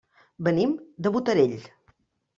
Venim de Botarell.